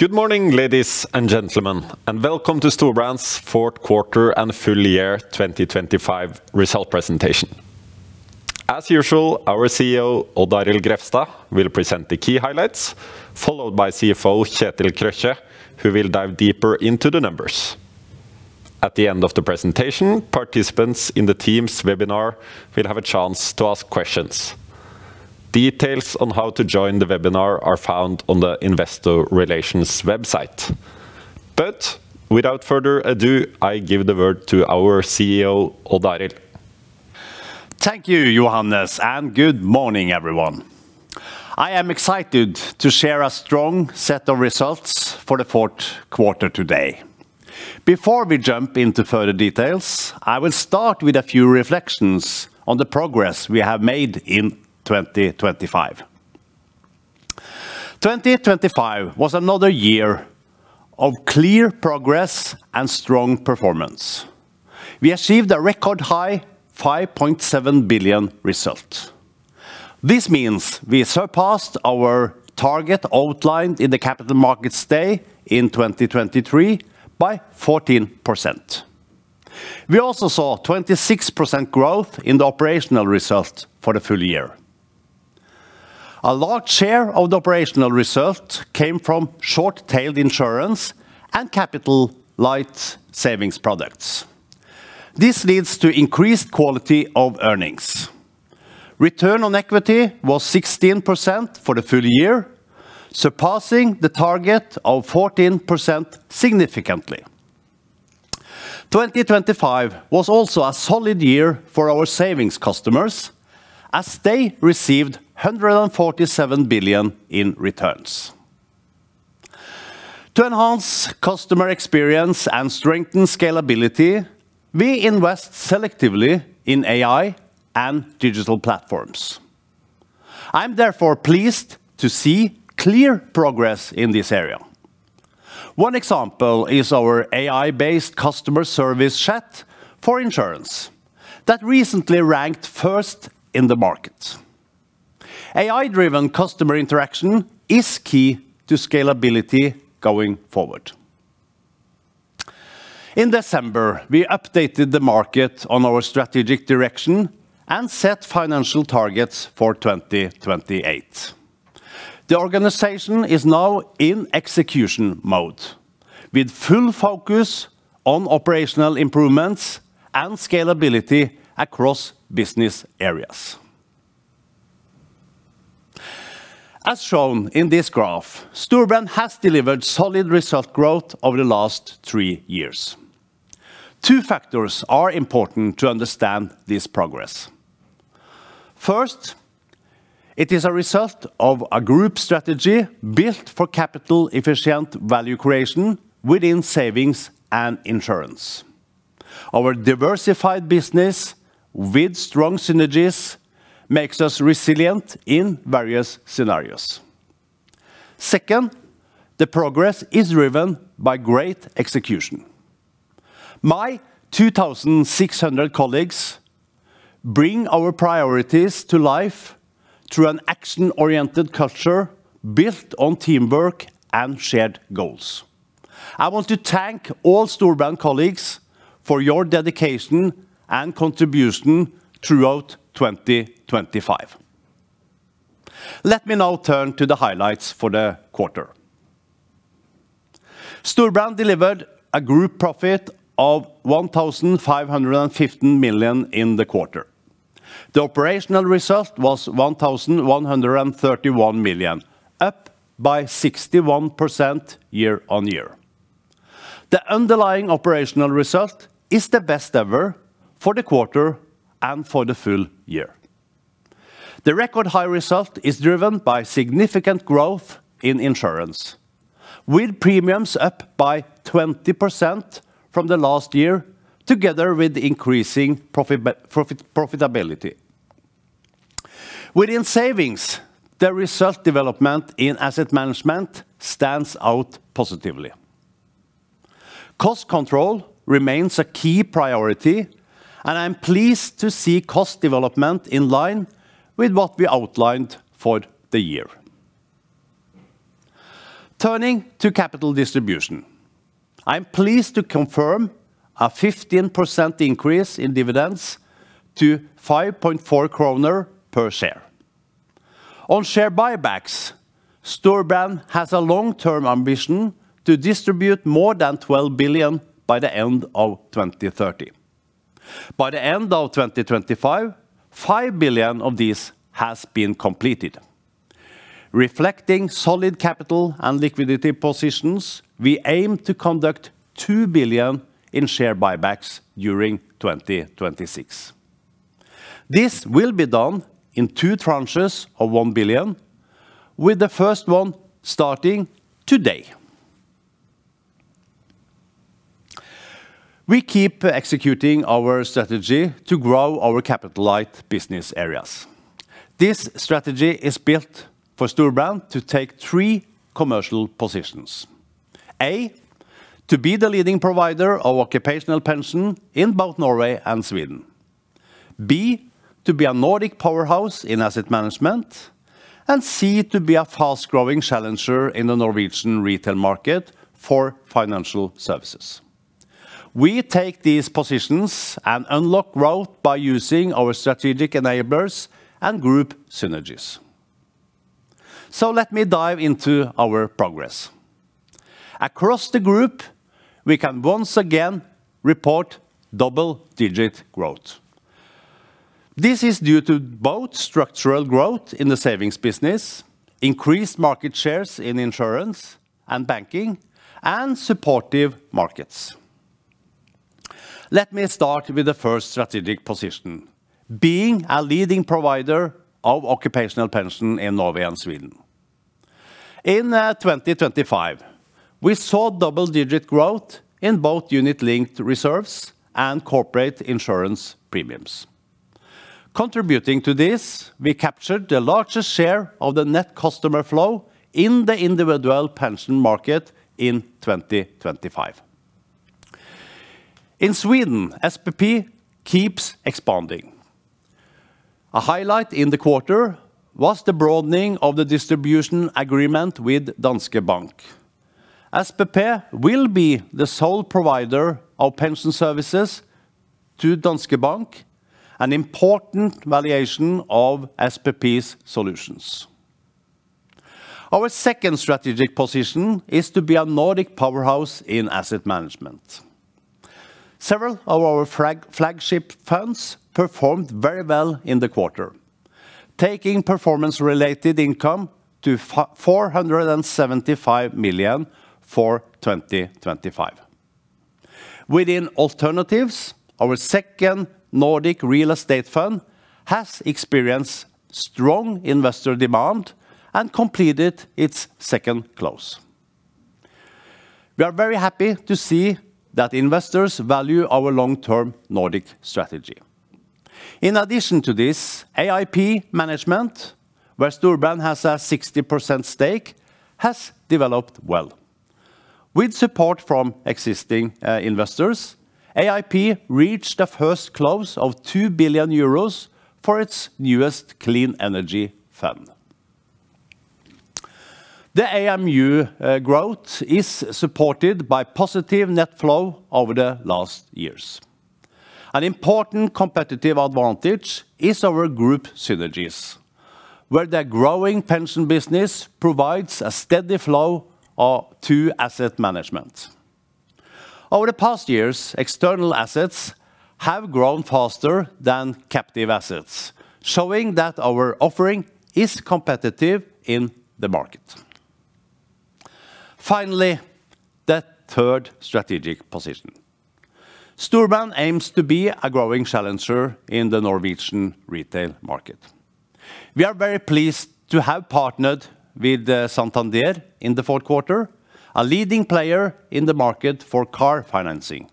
Good morning, ladies and gentlemen, and welcome to Storebrand's Q4 and full year 2025 result presentation. As usual, our CEO, Odd Arild Grefstad, will present the key highlights, followed by CFO Kjetil Krøkje, who will dive deeper into the numbers. At the end of the presentation, participants in the Teams webinar will have a chance to ask questions. Details on how to join the webinar are found on the Investor Relations website. But without further ado, I give the word to our CEO, Odd Arild. Thank you, Johannes, and good morning, everyone. I am excited to share a strong set of results for the Q4 today. Before we jump into further details, I will start with a few reflections on the progress we have made in 2025. 2025 was another year of clear progress and strong performance. We achieved a record high 5.7 billion result. This means we surpassed our target outlined in the Capital Markets Day in 2023 by 14%. We also saw 26% growth in the operational result for the full year. A large share of the operational result came from short-tail insurance and capital-light savings products. This leads to increased quality of earnings. Return on equity was 16% for the full year, surpassing the target of 14% significantly. 2025 was also a solid year for our savings customers, as they received 147 billion in returns. To enhance customer experience and strengthen scalability, we invest selectively in AI and digital platforms. I'm therefore pleased to see clear progress in this area. One example is our AI-based customer service chat for insurance that recently ranked first in the market. AI-driven customer interaction is key to scalability going forward. In December, we updated the market on our strategic direction and set financial targets for 2028. The organization is now in execution mode, with full focus on operational improvements and scalability across business areas. As shown in this graph, Storebrand has delivered solid result growth over the last three years. Two factors are important to understand this progress. First, it is a result of a group strategy built for capital-efficient value creation within savings and insurance. Our diversified business, with strong synergies, makes us resilient in various scenarios. Second, the progress is driven by great execution. My 2,600 colleagues bring our priorities to life through an action-oriented culture built on teamwork and shared goals. I want to thank all Storebrand colleagues for your dedication and contribution throughout 2025. Let me now turn to the highlights for the quarter. Storebrand delivered a group profit of 1,515 million in the quarter. The operational result was 1,131 million, up by 61% year-on-year. The underlying operational result is the best ever for the quarter and for the full year. The record high result is driven by significant growth in insurance, with premiums up by 20% from the last year, together with increasing profitability. Within savings, the result development in asset management stands out positively. Cost control remains a key priority, and I'm pleased to see cost development in line with what we outlined for the year. Turning to capital distribution, I'm pleased to confirm a 15% increase in dividends to 5.4 kroner per share. On share buybacks, Storebrand has a long-term ambition to distribute more than 12 billion by the end of 2030. By the end of 2025, 5 billion of these has been completed. Reflecting solid capital and liquidity positions, we aim to conduct 2 billion in share buybacks during 2026. This will be done in two tranches of 1 billion, with the first one starting today. We keep executing our strategy to grow our capital-light business areas. This strategy is built for Storebrand to take three commercial positions: A) to be the leading provider of occupational pension in both Norway and Sweden; B) to be a Nordic powerhouse in asset management; and C) to be a fast-growing challenger in the Norwegian retail market for financial services. We take these positions and unlock growth by using our strategic enablers and group synergies. So let me dive into our progress. Across the group, we can once again report double-digit growth. This is due to both structural growth in the savings business, increased market shares in insurance and banking, and supportive markets. Let me start with the first strategic position: being a leading provider of occupational pension in Norway and Sweden. In 2025, we saw double-digit growth in both unit-linked reserves and corporate insurance premiums. Contributing to this, we captured the largest share of the net customer flow in the individual pension market in 2025. In Sweden, SPP keeps expanding. A highlight in the quarter was the broadening of the distribution agreement with Danske Bank. SPP will be the sole provider of pension services to Danske Bank, an important valuation of SPP's solutions. Our second strategic position is to be a Nordic powerhouse in asset management. Several of our flagship funds performed very well in the quarter, taking performance-related income to 475 million for 2025. Within alternatives, our second Nordic real estate fund has experienced strong investor demand and completed its second close. We are very happy to see that investors value our long-term Nordic strategy. In addition to this, AIP Management, where Storebrand has a 60% stake, has developed well. With support from existing investors, AIP reached a first close of 2 billion euros for its newest clean energy fund. The AUM growth is supported by positive net flow over the last years. An important competitive advantage is our group synergies, where the growing pension business provides a steady flow to asset management. Over the past years, external assets have grown faster than captive assets, showing that our offering is competitive in the market. Finally, the third strategic position: Storebrand aims to be a growing challenger in the Norwegian retail market. We are very pleased to have partnered with Santander in the Q4, a leading player in the market for car financing.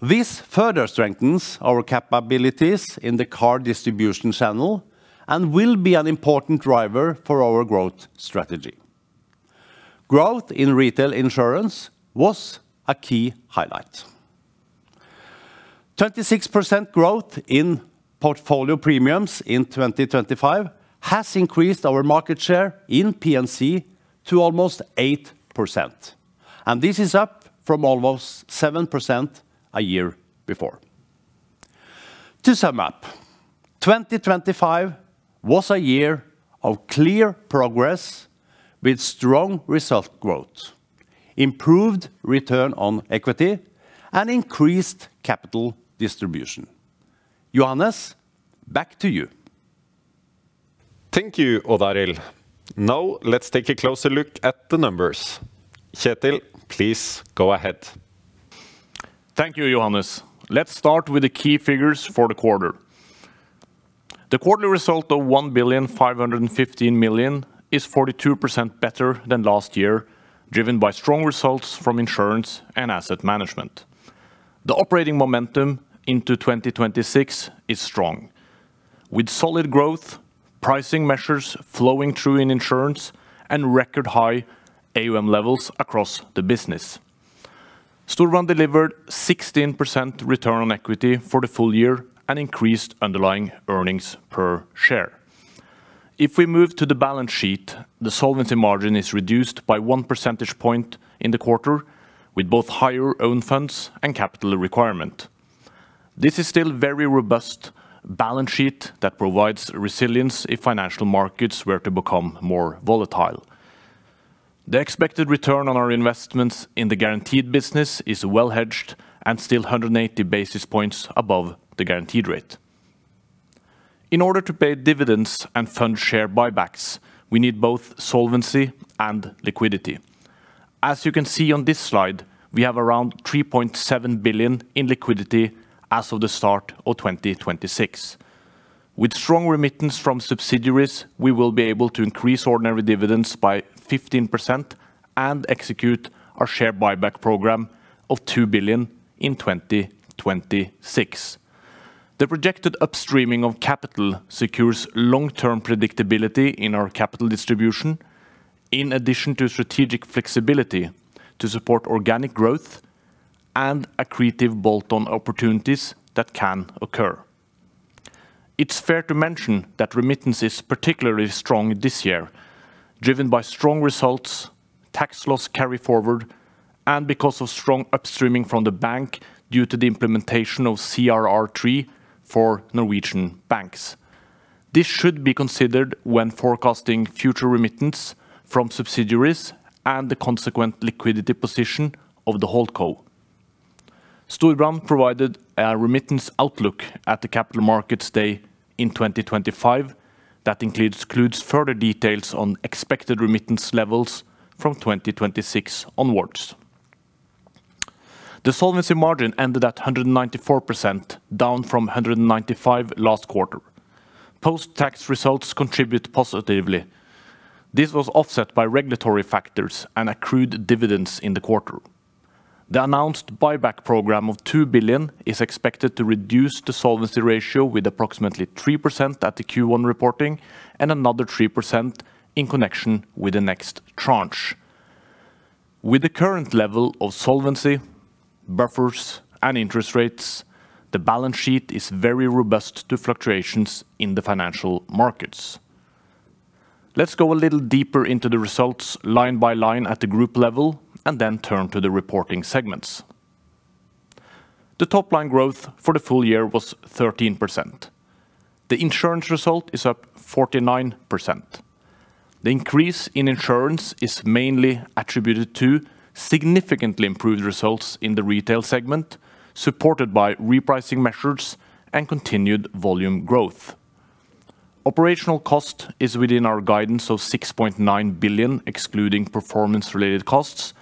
This further strengthens our capabilities in the car distribution channel and will be an important driver for our growth strategy. Growth in retail insurance was a key highlight. 26% growth in portfolio premiums in 2025 has increased our market share in P&C to almost 8%, and this is up from almost 7% a year before. To sum up, 2025 was a year of clear progress with strong result growth, improved return on equity, and increased capital distribution. Johannes, back to you. Thank you, Odd Arild. Now let's take a closer look at the numbers. Kjetil, please go ahead. Thank you, Johannes. Let's start with the key figures for the quarter. The quarterly result of 1,515 million is 42% better than last year, driven by strong results from insurance and asset management. The operating momentum into 2026 is strong, with solid growth, pricing measures flowing through in insurance, and record high AUM levels across the business. Storebrand delivered 16% return on equity for the full year and increased underlying earnings per share. If we move to the balance sheet, the solvency margin is reduced by one percentage point in the quarter, with both higher own funds and capital requirement. This is still a very robust balance sheet that provides resilience if financial markets were to become more volatile. The expected return on our investments in the guaranteed business is well hedged and still 180 basis points above the guaranteed rate. In order to pay dividends and fund share buybacks, we need both solvency and liquidity. As you can see on this slide, we have around 3.7 billion in liquidity as of the start of 2026. With strong remittance from subsidiaries, we will be able to increase ordinary dividends by 15% and execute our share buyback program of 2 billion in 2026. The projected upstreaming of capital secures long-term predictability in our capital distribution, in addition to strategic flexibility to support organic growth and accretive bolt-on opportunities that can occur. It's fair to mention that remittance is particularly strong this year, driven by strong results, tax loss carry-forward, and because of strong upstreaming from the bank due to the implementation of CRR3 for Norwegian banks. This should be considered when forecasting future remittance from subsidiaries and the consequent liquidity position of the holdco. Storebrand provided a remittance outlook at the Capital Markets Day in 2025 that includes further details on expected remittance levels from 2026 onwards. The solvency margin ended at 194%, down from 195% last quarter. Post-tax results contribute positively. This was offset by regulatory factors and accrued dividends in the quarter. The announced buyback program of 2 billion is expected to reduce the solvency ratio with approximately 3% at the Q1 reporting and another 3% in connection with the next tranche. With the current level of solvency, buffers, and interest rates, the balance sheet is very robust to fluctuations in the financial markets. Let's go a little deeper into the results line by line at the group level and then turn to the reporting segments. The top-line growth for the full year was 13%. The insurance result is up 49%. The increase in insurance is mainly attributed to significantly improved results in the retail segment, supported by repricing measures and continued volume growth. Operational cost is within our guidance of 6.9 billion, excluding performance-related costs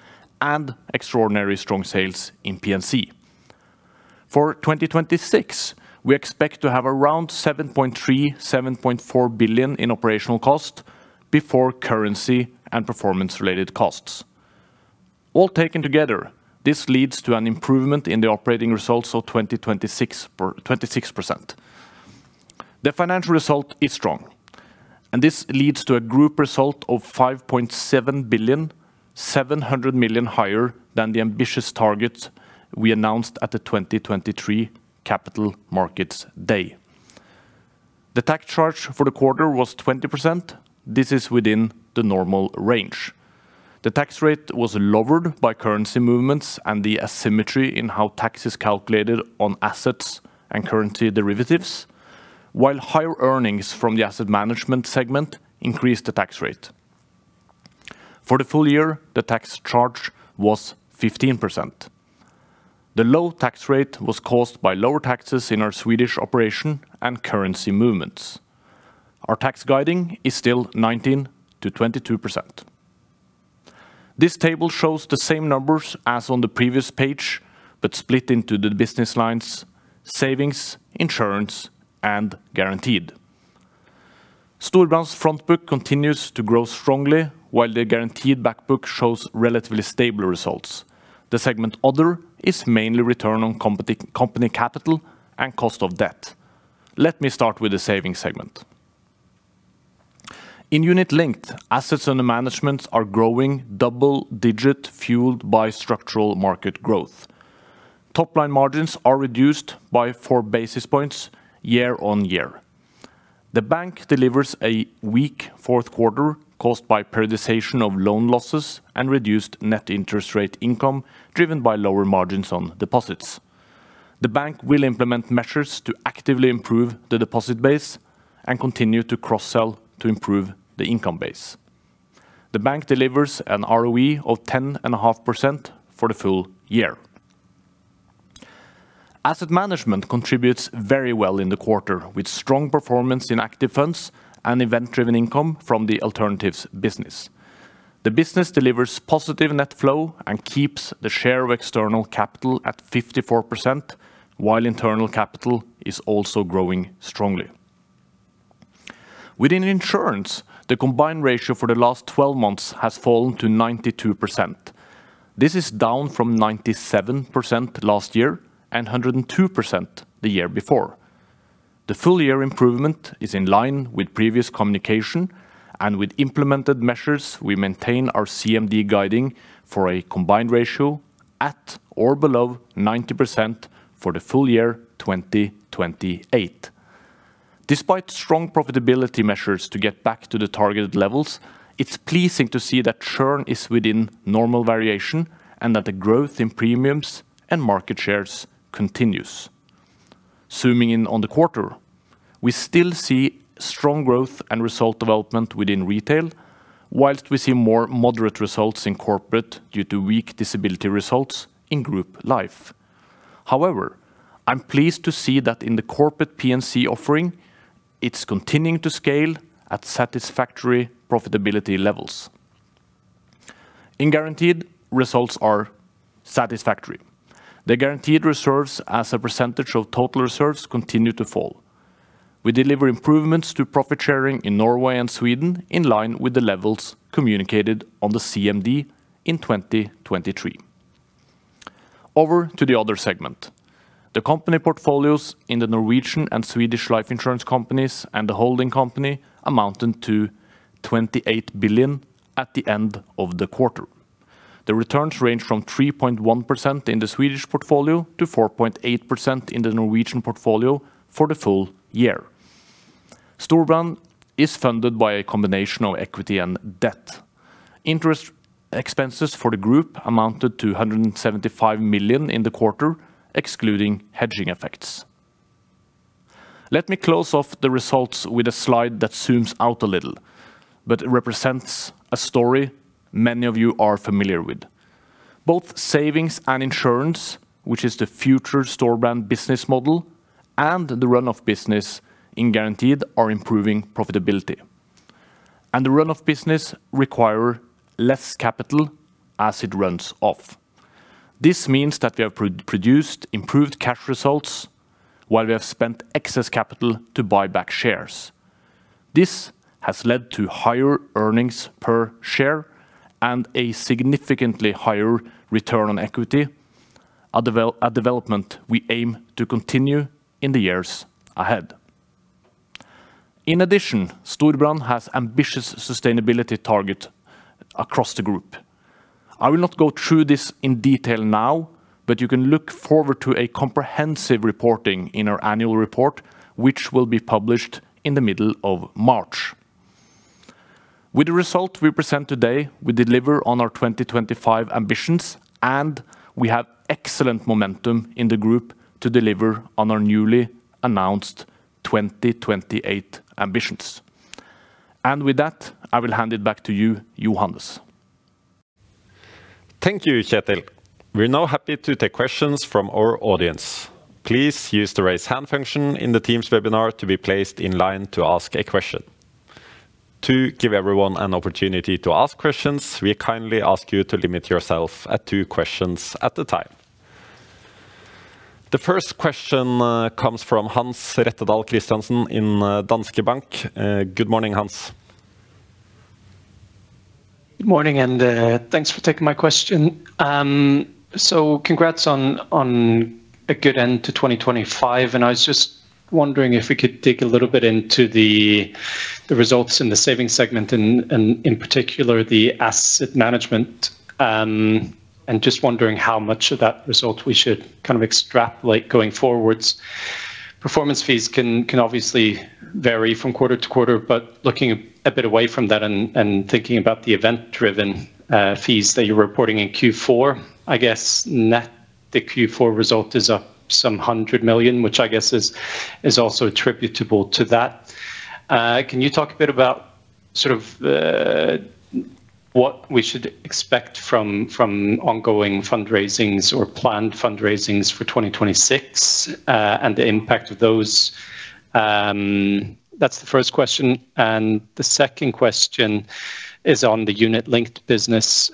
and extraordinary strong sales in P&C. For 2026, we expect to have around 7.3 billion-7.4 billion in operational cost before currency and performance-related costs. All taken together, this leads to an improvement in the operating results of 26%. The financial result is strong, and this leads to a group result of 5.7 billion, 700 million higher than the ambitious targets we announced at the 2023 Capital Markets Day. The tax charge for the quarter was 20%. This is within the normal range. The tax rate was lowered by currency movements and the asymmetry in how tax is calculated on assets and currency derivatives, while higher earnings from the asset management segment increased the tax rate. For the full year, the tax charge was 15%. The low tax rate was caused by lower taxes in our Swedish operation and currency movements. Our tax guiding is still 19%-22%. This table shows the same numbers as on the previous page, but split into the business lines: savings, insurance, and guaranteed. Storebrand's front book continues to grow strongly, while the guaranteed back book shows relatively stable results. The segment other is mainly return on company capital and cost of debt. Let me start with the savings segment. In unit-linked, assets under management are growing double-digit, fueled by structural market growth. Top-line margins are reduced by four basis points year-over-year. The bank delivers a weak Q4 caused by periodization of loan losses and reduced net interest rate income driven by lower margins on deposits. The bank will implement measures to actively improve the deposit base and continue to cross-sell to improve the income base. The bank delivers an ROE of 10.5% for the full year. Asset management contributes very well in the quarter, with strong performance in active funds and event-driven income from the alternatives business. The business delivers positive net flow and keeps the share of external capital at 54%, while internal capital is also growing strongly. Within insurance, the combined ratio for the last 12 months has fallen to 92%. This is down from 97% last year and 102% the year before. The full-year improvement is in line with previous communication, and with implemented measures, we maintain our CMD guiding for a combined ratio at or below 90% for the full year 2028. Despite strong profitability measures to get back to the targeted levels, it's pleasing to see that churn is within normal variation and that the growth in premiums and market shares continues. Zooming in on the quarter, we still see strong growth and result development within retail, while we see more moderate results in corporate due to weak disability results in group life. However, I'm pleased to see that in the corporate P&C offering, it's continuing to scale at satisfactory profitability levels. In guaranteed, results are satisfactory. The guaranteed reserves, as a percentage of total reserves, continue to fall. We deliver improvements to profit sharing in Norway and Sweden in line with the levels communicated on the CMD in 2023. Over to the other segment. The company portfolios in the Norwegian and Swedish life insurance companies and the holding company amounted to 28 billion at the end of the quarter. The returns range from 3.1% in the Swedish portfolio to 4.8% in the Norwegian portfolio for the full year. Storebrand is funded by a combination of equity and debt. Interest expenses for the group amounted to 175 million in the quarter, excluding hedging effects. Let me close off the results with a slide that zooms out a little but represents a story many of you are familiar with. Both savings and insurance, which is the future Storebrand business model and the run-off business in guaranteed, are improving profitability. The run-off business requires less capital as it runs off. This means that we have produced improved cash results while we have spent excess capital to buy back shares. This has led to higher earnings per share and a significantly higher return on equity, a development we aim to continue in the years ahead. In addition, Storebrand has ambitious sustainability targets across the group. I will not go through this in detail now, but you can look forward to a comprehensive reporting in our annual report, which will be published in the middle of March. With the result we present today, we deliver on our 2025 ambitions, and we have excellent momentum in the group to deliver on our newly announced 2028 ambitions. And with that, I will hand it back to you, Johannes. Thank you, Kjetil. We're now happy to take questions from our audience. Please use the raise hand function in the Teams webinar to be placed in line to ask a question. To give everyone an opportunity to ask questions, we kindly ask you to limit yourself to two questions at a time. The first question comes from Hans Rettedal Christiansen in Danske Bank. Good morning, Hans. Good morning, and thanks for taking my question. So congrats on a good end to 2025. And I was just wondering if we could dig a little bit into the results in the savings segment, and in particular, the asset management, and just wondering how much of that result we should kind of extrapolate going forwards. Performance fees can obviously vary from quarter to quarter, but looking a bit away from that and thinking about the event-driven fees that you're reporting in Q4, I guess net the Q4 result is up some 100 million, which I guess is also attributable to that. Can you talk a bit about what we should expect from ongoing fundraisings or planned fundraisings for 2026 and the impact of those? That's the first question. And the second question is on the unit-linked business,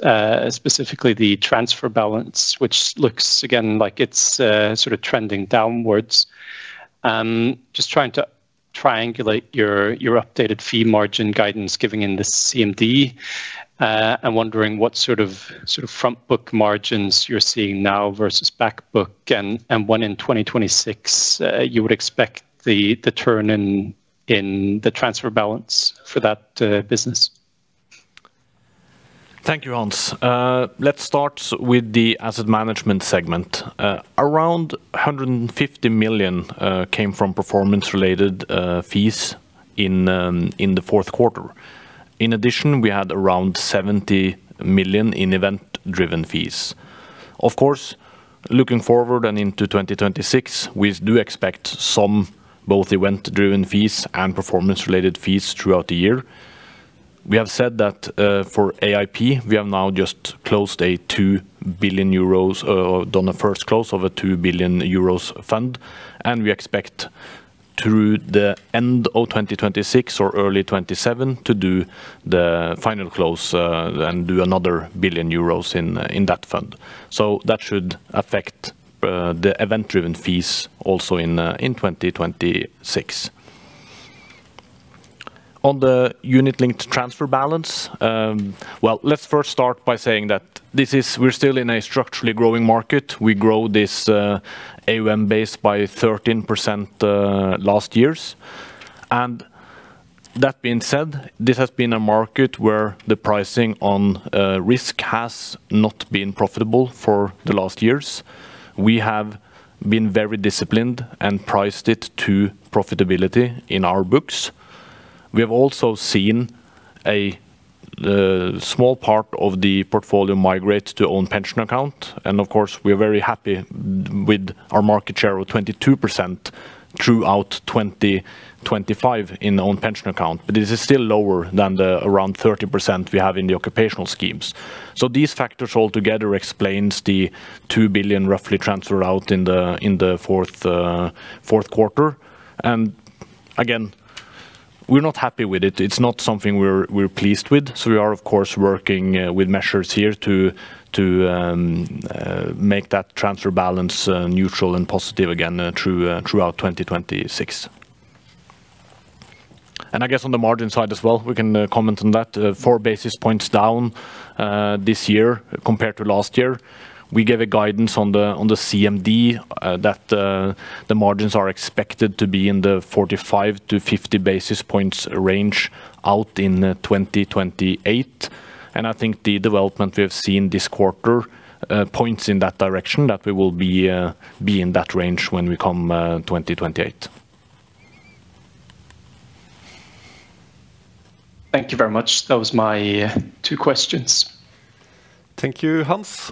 specifically the transfer balance, which looks, again, like it's trending downwards. Just trying to triangulate your updated fee margin guidance given in the CMD and wondering what front-book margins you're seeing now versus back-book and when in 2026 you would expect the turn in the transfer balance for that business? Thank you, Hans. Let's start with the asset management segment. Around 150 million came from performance-related fees in the Q4. In addition, we had around 70 million in event-driven fees. Of course, looking forward and into 2026, we do expect some both event-driven fees and performance-related fees throughout the year. We have said that for AIP, we have now just closed a 2 billion euros done a first close of a 2 billion euros fund, and we expect through the end of 2026 or early 2027 to do the final close and do another billion euros in that fund. So that should affect the event-driven fees also in 2026. On the unit-linked transfer balance, well, let's first start by saying that we're still in a structurally growing market. We grow this AUM base by 13% last years. And that being said, this has been a market where the pricing on risk has not been profitable for the last years. We have been very disciplined and priced it to profitability in our books. We have also seen a small part of the portfolio migrate to Own Pension Account. And of course, we are very happy with our market share of 22% throughout 2025 in the Own Pension Account. But this is still lower than the around 30% we have in the occupational schemes. So these factors altogether explain the 2 billion roughly transferred out in the Q4. And again, we're not happy with it. It's not something we're pleased with. So we are, of course, working with measures here to make that transfer balance neutral and positive, again, throughout 2026. And I guess on the margin side as well, we can comment on that. 4 basis points down this year compared to last year. We gave a guidance on the CMD that the margins are expected to be in the 45-50 basis points range out in 2028. And I think the development we have seen this quarter points in that direction, that we will be in that range when we come 2028. Thank you very much. That was my two questions. Thank you, Hans.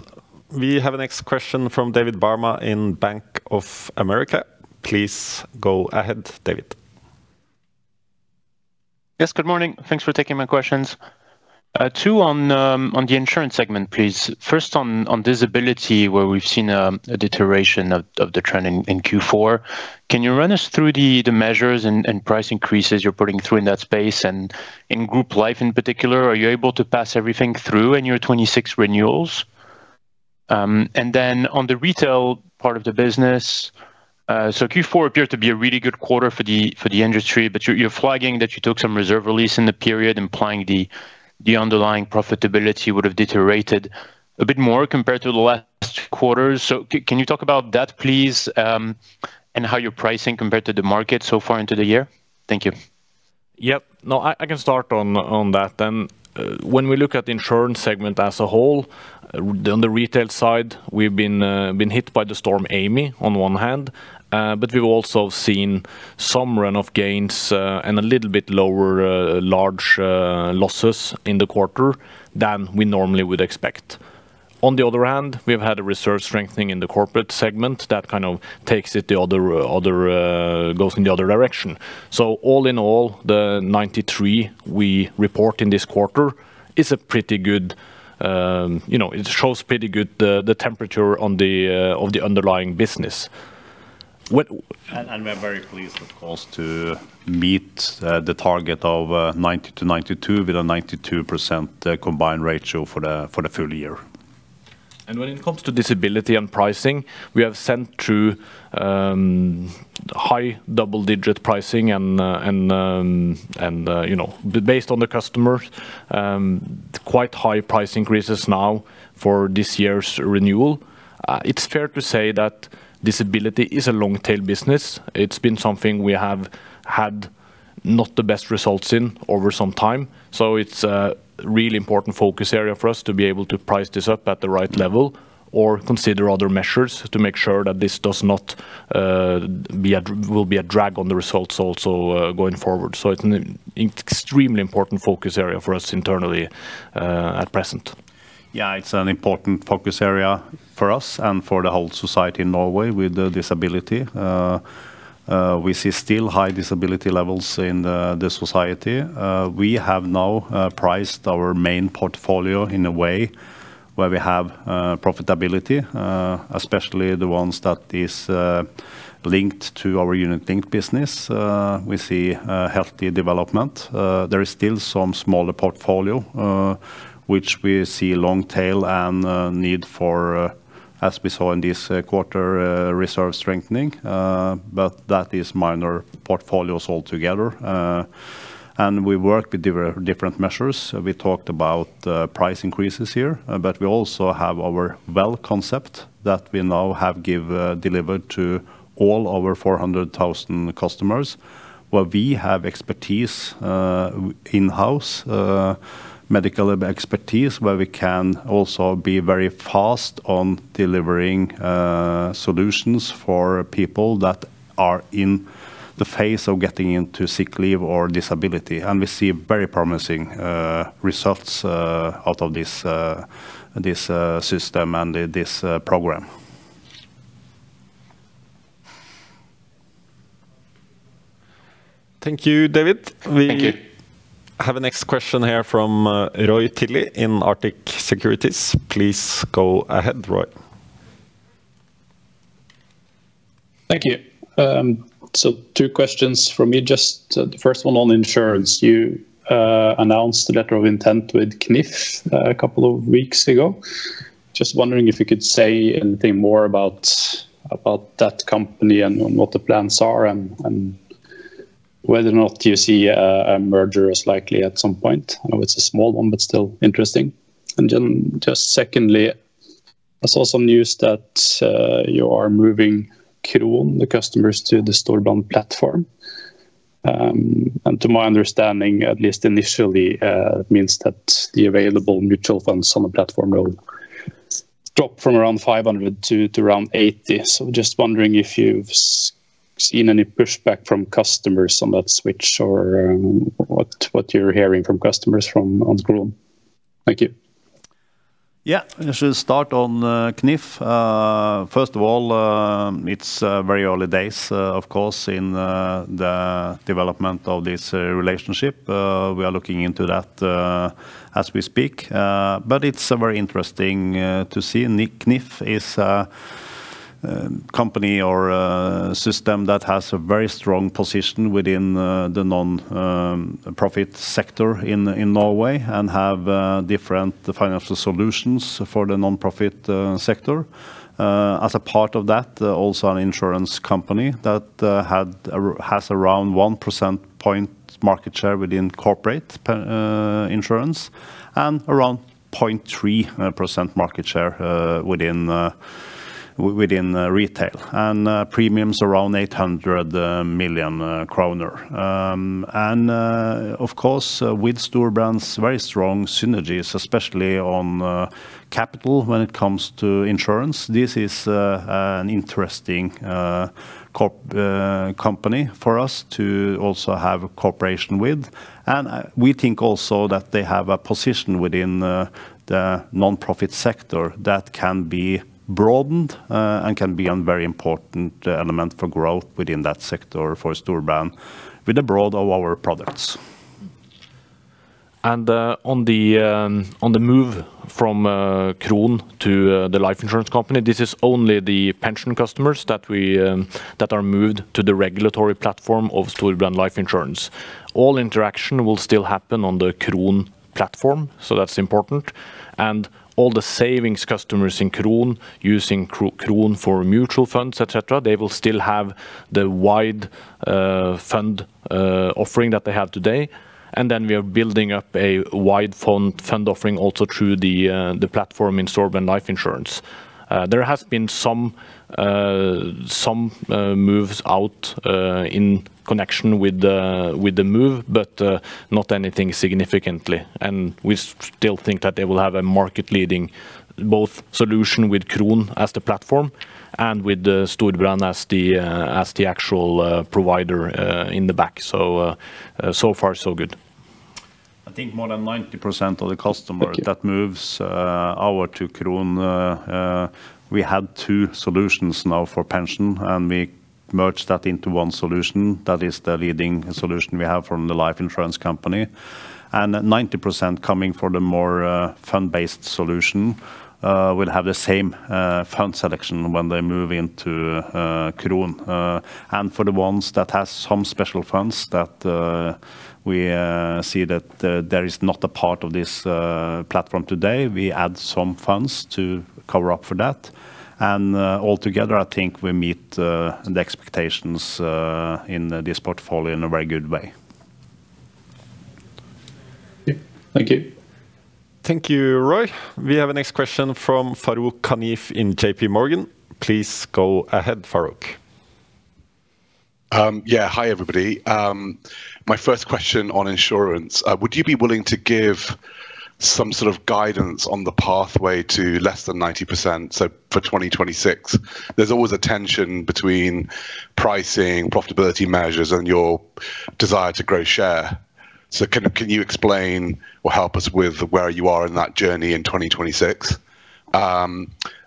We have a next question from David Barma in Bank of America. Please go ahead, David. Yes, good morning. Thanks for taking my questions. Two on the insurance segment, please. First, on disability, where we've seen a deterioration of the trend in Q4. Can you run us through the measures and price increases you're putting through in that space? And in group life in particular, are you able to pass everything through in your 2026 renewals? And then on the retail part of the business, so Q4 appeared to be a really good quarter for the industry, but you're flagging that you took some reserve release in the period, implying the underlying profitability would have deteriorated a bit more compared to the last quarters. So can you talk about that, please, and how you're pricing compared to the market so far into the year? Thank you. Yep. No, I can start on that then. When we look at the insurance segment as a whole, on the retail side, we've been hit by the Storm Ami on one hand, but we've also seen some run-off gains and a little bit lower large losses in the quarter than we normally would expect. On the other hand, we've had a reserve strengthening in the corporate segment that kind of takes it the other goes in the other direction. So all in all, the 93 we report in this quarter is a pretty good. It shows pretty good the temperature of the underlying business. We're very pleased, of course, to meet the target of 90%-92% with a 92% combined ratio for the full year. When it comes to disability and pricing, we have sent through high double-digit pricing and based on the customer, quite high price increases now for this year's renewal. It's fair to say that disability is a long-tail business. It's been something we have had not the best results in over some time. So it's a really important focus area for us to be able to price this up at the right level or consider other measures to make sure that this does not be a will be a drag on the results also going forward. So it's an extremely important focus area for us internally at present. Yeah, it's an important focus area for us and for the whole society in Norway with the disability. We see still high disability levels in the society. We have now priced our main portfolio in a way where we have profitability, especially the ones that are linked to our unit-linked business. We see healthy development. There is still some smaller portfolio, which we see long-tail and need for, as we saw in this quarter, reserve strengthening. But that is minor portfolios altogether. And we work with different measures. We talked about price increases here, but we also have our Well concept that we now have delivered to all our 400,000 customers, where we have expertise in-house, medical expertise, where we can also be very fast on delivering solutions for people that are in the phase of getting into sick leave or disability. We see very promising results out of this system and this program. Thank you, David. Thank you. We have a next question here from Roy Tilley in Arctic Securities. Please go ahead, Roy. Thank you. So two questions from me. Just the first one on insurance. You announced a letter of intent with Knif a couple of weeks ago. Just wondering if you could say anything more about that company and what the plans are and whether or not you see a merger as likely at some point. I know it's a small one, but still interesting. And just secondly, I saw some news that you are moving Kron, the customers, to the Storebrand platform. And to my understanding, at least initially, that means that the available mutual funds on the platform will drop from around 500 to around 80. So just wondering if you've seen any pushback from customers on that switch or what you're hearing from customers on Kron. Thank you. Yeah, I should start on Knif. First of all, it's very early days, of course, in the development of this relationship. We are looking into that as we speak. But it's very interesting to see. Knif is a company or system that has a very strong position within the nonprofit sector in Norway and have different financial solutions for the nonprofit sector. As a part of that, also an insurance company that has around 1% market share within corporate insurance and around 0.3% market share within retail and premiums around 800 million kroner. And of course, with Storebrand's very strong synergies, especially on capital when it comes to insurance, this is an interesting company for us to also have a cooperation with. We think also that they have a position within the nonprofit sector that can be broadened and can be a very important element for growth within that sector for Storebrand with the broad of our products. On the move from Kron to the life insurance company, this is only the pension customers that are moved to the regulatory platform of Storebrand Life Insurance. All interaction will still happen on the Kron platform. So that's important. All the savings customers in Kron using Kron for mutual funds, etc., they will still have the wide fund offering that they have today. Then we are building up a wide fund offering also through the platform in Storebrand Life Insurance. There have been some moves out in connection with the move, but not anything significant. We still think that they will have a market-leading both solution with Kron as the platform and with Storebrand as the actual provider in the back. So far, so good. I think more than 90% of the customers that move over to Kron, we had two solutions now for pension, and we merged that into one solution. That is the leading solution we have from the life insurance company. 90% coming for the more fund-based solution will have the same fund selection when they move into Kron. For the ones that have some special funds that we see that there is not a part of this platform today, we add some funds to cover up for that. Altogether, I think we meet the expectations in this portfolio in a very good way. Thank you. Thank you, Roy. We have a next question from Farooq Hanif in JPMorgan. Please go ahead, Farooq. Yeah, hi everybody. My first question on insurance. Would you be willing to give some sort of guidance on the pathway to less than 90% for 2026? There's always a tension between pricing, profitability measures, and your desire to grow share. So can you explain or help us with where you are in that journey in 2026? And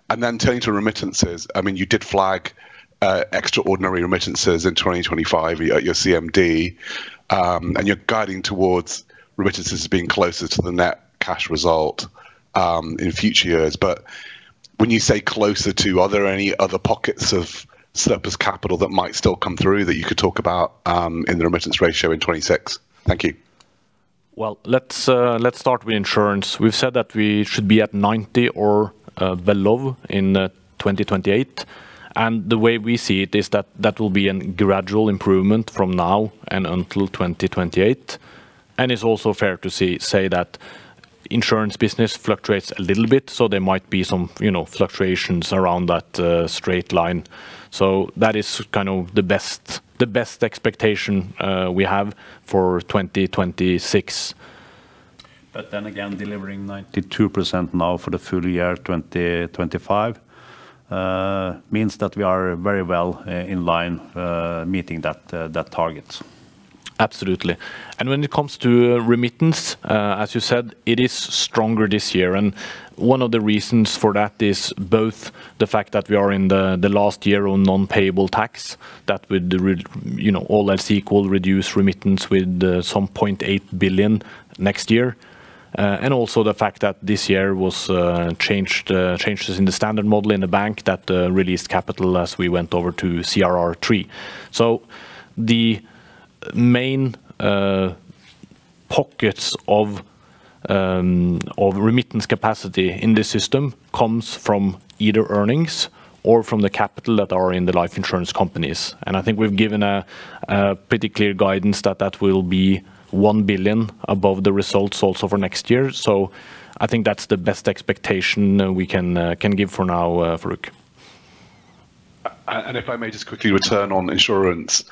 then turning to remittances, I mean, you did flag extraordinary remittances in 2025 at your CMD, and you're guiding towards remittances being closer to the net cash result in future years. But when you say closer to, are there any other pockets of surplus capital that might still come through that you could talk about in the remittance ratio in 2026? Thank you. Well, let's start with insurance. We've said that we should be at 90 or below in 2028. And the way we see it is that that will be a gradual improvement from now and until 2028. And it's also fair to say that the insurance business fluctuates a little bit, so there might be some fluctuations around that straight line. So that is kind of the best expectation we have for 2026. But then again, delivering 92% now for the full year 2025 means that we are very well in line meeting that target. Absolutely. When it comes to remittance, as you said, it is stronger this year. One of the reasons for that is both the fact that we are in the last year on non-payable tax, that with the all else equal reduced remittance with some 0.8 billion next year, and also the fact that this year was changes in the standard model in the bank that released capital as we went over to CRR3. So the main pockets of remittance capacity in this system come from either earnings or from the capital that are in the life insurance companies. I think we've given a pretty clear guidance that that will be 1 billion above the results also for next year. So I think that's the best expectation we can give for now, Farooq. If I may just quickly return on insurance,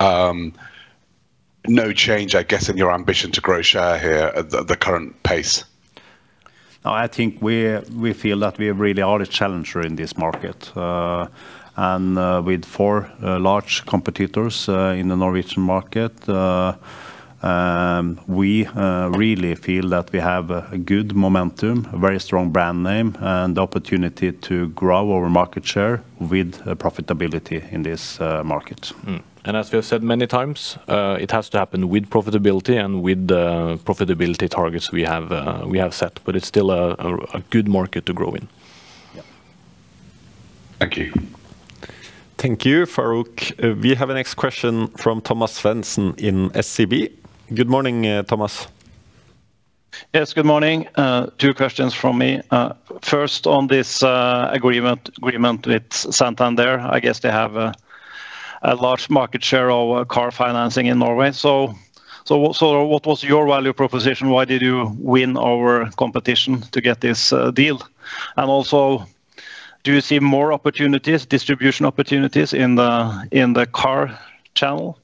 no change, I guess, in your ambition to grow share here at the current pace? No, I think we feel that we really are a challenger in this market. With four large competitors in the Norwegian market, we really feel that we have good momentum, a very strong brand name, and the opportunity to grow our market share with profitability in this market. As we have said many times, it has to happen with profitability and with the profitability targets we have set. It's still a good market to grow in. Thank you. Thank you, Farooq. We have a next question from Thomas Svendsen in SEB. Good morning, Thomas. Yes, good morning. Two questions from me. First, on this agreement with Santander, I guess they have a large market share of car financing in Norway. So what was your value proposition? Why did you win our competition to get this deal? And also, do you see more opportunities, distribution opportunities in the car channel?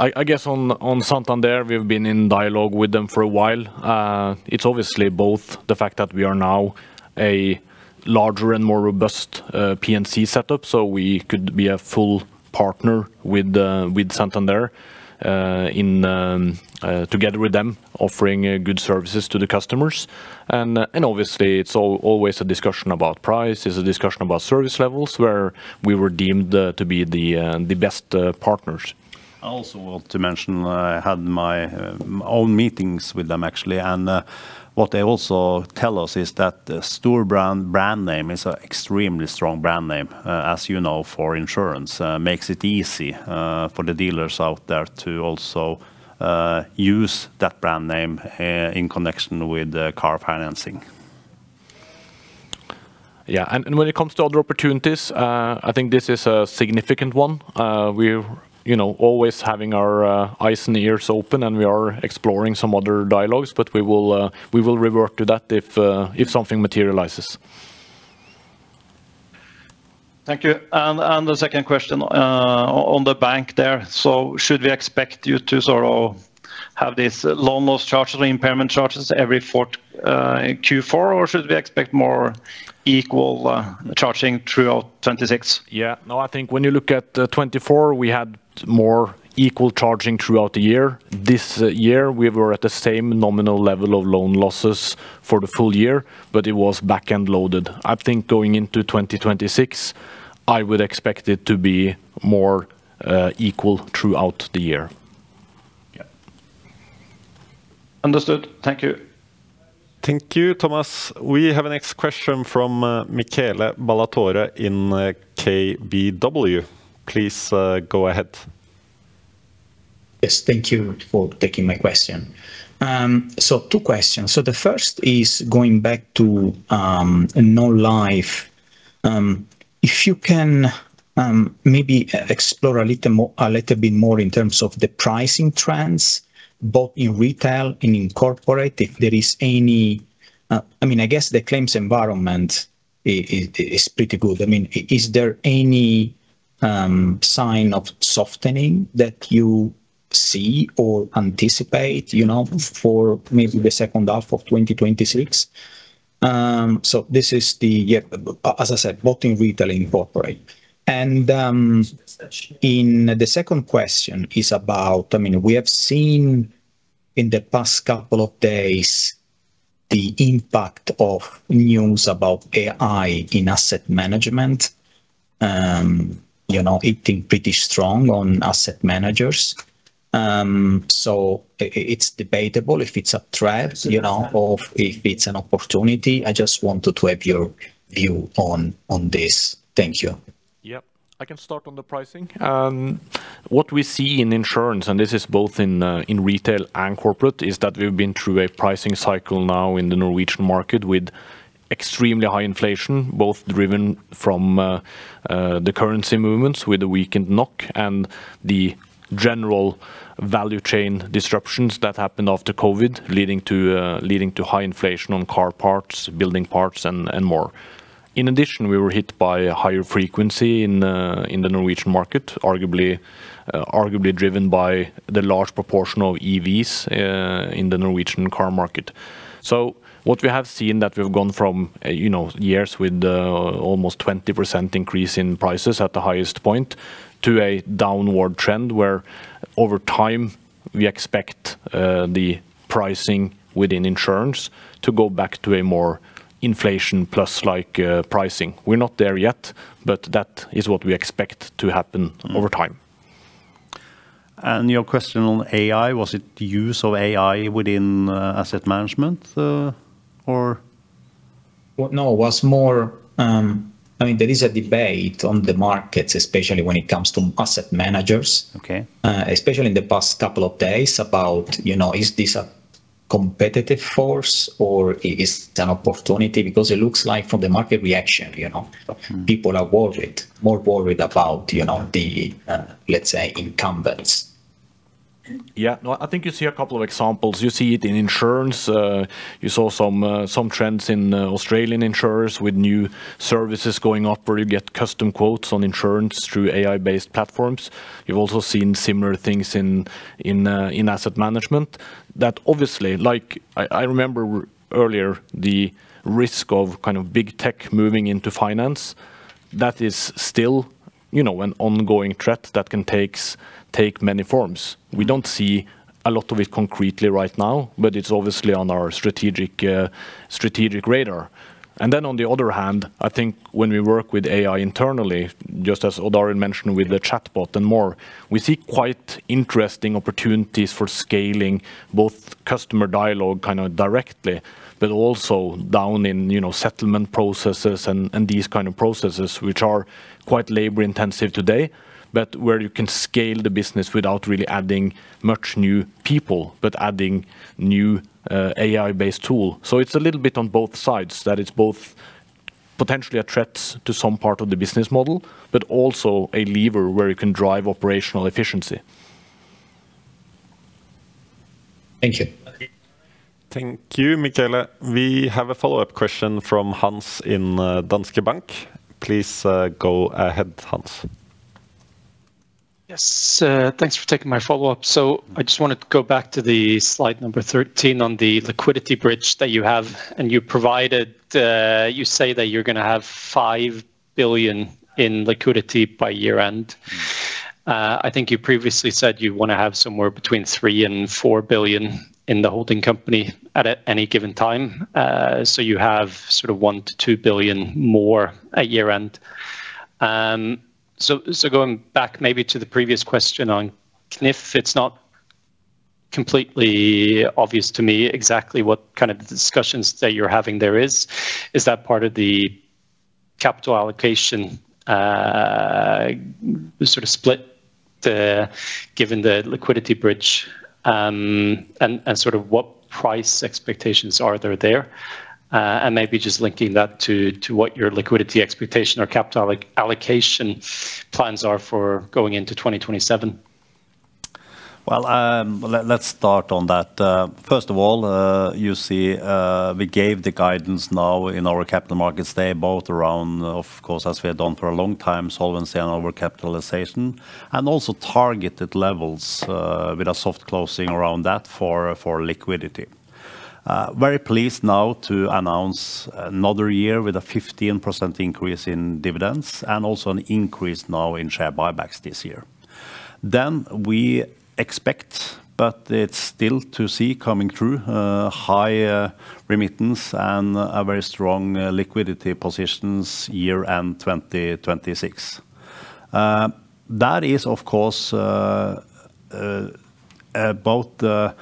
I guess on Santander, we've been in dialogue with them for a while. It's obviously both the fact that we are now a larger and more robust P&C setup, so we could be a full partner with Santander together with them, offering good services to the customers. Obviously, it's always a discussion about price. It's a discussion about service levels where we were deemed to be the best partners. I also want to mention I had my own meetings with them, actually. What they also tell us is that Storebrand brand name is an extremely strong brand name, as you know, for insurance. It makes it easy for the dealers out there to also use that brand name in connection with car financing. Yeah, and when it comes to other opportunities, I think this is a significant one. We're always having our eyes and ears open, and we are exploring some other dialogues, but we will revert to that if something materializes. Thank you. The second question on the bank there. Should we expect you to sort of have these loan loss charges or impairment charges every Q4, or should we expect more equal charging throughout 2026? Yeah, no, I think when you look at 2024, we had more equal charging throughout the year. This year, we were at the same nominal level of loan losses for the full year, but it was back-end loaded. I think going into 2026, I would expect it to be more equal throughout the year. Understood. Thank you. Thank you, Thomas. We have a next question from Michele Ballatore in KBW. Please go ahead. Yes, thank you for taking my question. So two questions. So the first is going back to non-life. If you can maybe explore a little bit more in terms of the pricing trends, both in retail and in corporate, if there is any I mean, I guess the claims environment is pretty good. I mean, is there any sign of softening that you see or anticipate for maybe the second half of 2026? So this is the, as I said, both in retail and in corporate. And the second question is about, I mean, we have seen in the past couple of days the impact of news about AI in asset management, it being pretty strong on asset managers. So it's debatable if it's a threat or if it's an opportunity. I just wanted to have your view on this. Thank you. Yep, I can start on the pricing. What we see in insurance, and this is both in retail and corporate, is that we've been through a pricing cycle now in the Norwegian market with extremely high inflation, both driven from the currency movements with a weakened NOK and the general value chain disruptions that happened after COVID, leading to high inflation on car parts, building parts, and more. In addition, we were hit by higher frequency in the Norwegian market, arguably driven by the large proportion of EVs in the Norwegian car market. So what we have seen is that we've gone from years with almost 20% increase in prices at the highest point to a downward trend where over time, we expect the pricing within insurance to go back to a more inflation-plus-like pricing. We're not there yet, but that is what we expect to happen over time. Your question on AI, was it the use of AI within asset management, or? No, it was more—I mean, there is a debate on the markets, especially when it comes to asset managers, especially in the past couple of days about, is this a competitive force or is it an opportunity? Because it looks like from the market reaction, people are worried, more worried about the, let's say, incumbents. Yeah, no, I think you see a couple of examples. You see it in insurance. You saw some trends in Australian insurers with new services going up where you get custom quotes on insurance through AI-based platforms. You've also seen similar things in asset management. That obviously, like I remember earlier, the risk of kind of big tech moving into finance, that is still an ongoing threat that can take many forms. We don't see a lot of it concretely right now, but it's obviously on our strategic radar. And then on the other hand, I think when we work with AI internally, just as Odd Arild mentioned with the chatbot and more, we see quite interesting opportunities for scaling both customer dialogue kind of directly, but also down in settlement processes and these kind of processes, which are quite labor-intensive today, but where you can scale the business without really adding much new people, but adding new AI-based tools. So it's a little bit on both sides, that it's both potentially a threat to some part of the business model, but also a lever where you can drive operational efficiency. Thank you. Thank you, Michele. We have a follow-up question from Hans in Danske Bank. Please go ahead, Hans. Yes, thanks for taking my follow-up. So I just wanted to go back to the slide number 13 on the liquidity bridge that you have. And you say that you're going to have 5 billion in liquidity by year-end. I think you previously said you want to have somewhere between 3 billion and 4 billion in the holding company at any given time. So you have sort of 1 billion to 2 billion more at year-end. So going back maybe to the previous question on Knif, it's not completely obvious to me exactly what kind of discussions that you're having there is. Is that part of the capital allocation sort of split given the liquidity bridge? And sort of what price expectations are there there? And maybe just linking that to what your liquidity expectation or capital allocation plans are for going into 2027. Well, let's start on that. First of all, you see we gave the guidance now in our Capital Markets Day, both around, of course, as we have done for a long time, solvency and over-capitalization, and also targeted levels with a soft closing around that for liquidity. Very pleased now to announce another year with a 15% increase in dividends and also an increase now in share buybacks this year. Then we expect, but it's still to see coming through, high remittance and a very strong liquidity positions year-end 2026. That is, of course, both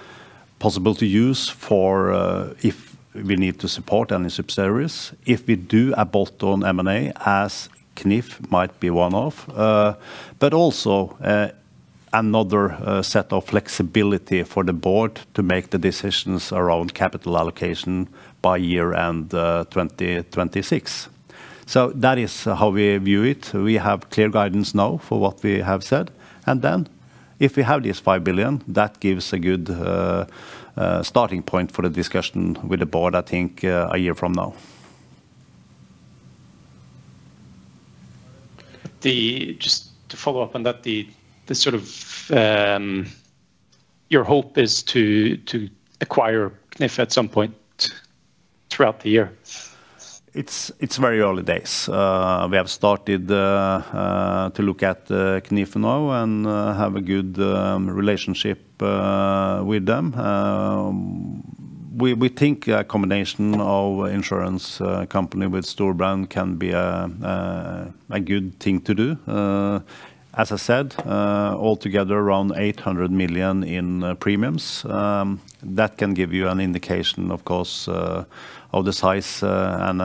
possible to use for if we need to support any subsidiaries, if we do a bolt-on M&A, as Knif might be one of, but also another set of flexibility for the board to make the decisions around capital allocation by year-end 2026. So that is how we view it. We have clear guidance now for what we have said. And then if we have these 5 billion, that gives a good starting point for the discussion with the board, I think, a year from now. Just to follow up on that, sort of your hope is to acquire Knif at some point throughout the year? It's very early days. We have started to look at Knif now and have a good relationship with them. We think a combination of insurance company with Storebrand can be a good thing to do. As I said, altogether around 800 million in premiums. That can give you an indication, of course, of the size and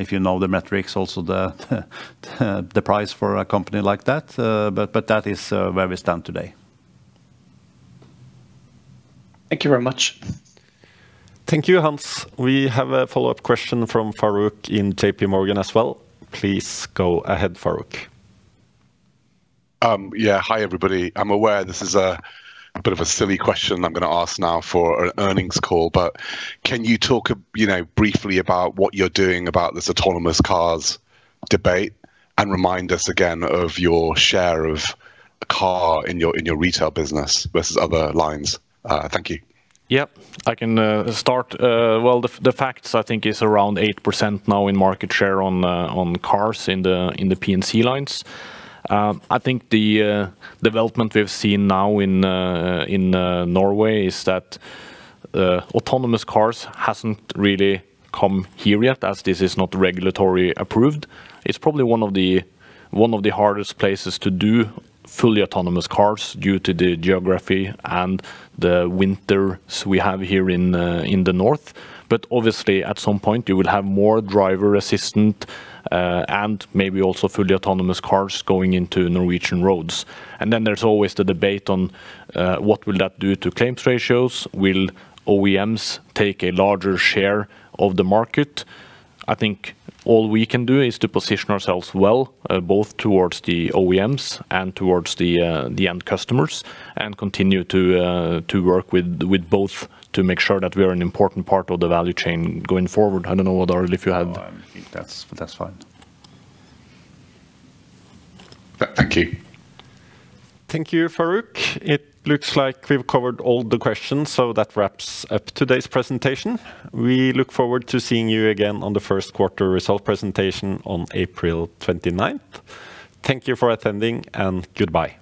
if you know the metrics, also the price for a company like that. But that is where we stand today. Thank you very much. Thank you, Hans. We have a follow-up question from Farooq in JPMorgan as well. Please go ahead, Farooq. Yeah, hi, everybody. I'm aware this is a bit of a silly question I'm going to ask now for an earnings call, but can you talk briefly about what you're doing about this autonomous cars debate and remind us again of your share of a car in your retail business versus other lines? Thank you. Yep, I can start. Well, the facts, I think, is around 8% now in market share on cars in the P&C lines. I think the development we've seen now in Norway is that autonomous cars haven't really come here yet as this is not regulatory approved. It's probably one of the hardest places to do fully autonomous cars due to the geography and the winters we have here in the north. But obviously, at some point, you will have more driver-assistant and maybe also fully autonomous cars going into Norwegian roads. And then there's always the debate on what will that do to claims ratios? Will OEMs take a larger share of the market? I think all we can do is to position ourselves well, both towards the OEMs and towards the end customers, and continue to work with both to make sure that we are an important part of the value chain going forward. I don't know, Odd Arild, if you had? No, I think that's fine. Thank you. Thank you, Farooq. It looks like we've covered all the questions, so that wraps up today's presentation. We look forward to seeing you again on the Q1 result presentation on April 29th. Thank you for attending, and goodbye.